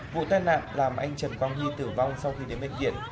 vụ tai nạn làm anh trần quang huy tử vong sau khi đến bên diện